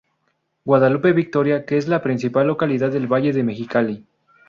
Guadalupe Victoria que es la principal localidad del Valle de Mexicali.